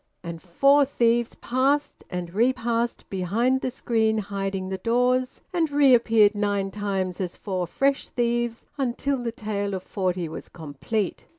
And four thieves passed and repassed behind the screen hiding the doors, and reappeared nine times as four fresh thieves until the tale of forty was complete.